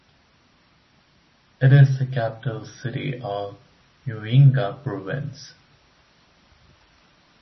It is the capital city of Muyinga Province.